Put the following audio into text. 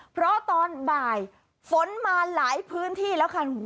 เพราะตอนบ่ายฝนมาหลายพื้นที่แล้วค่ะ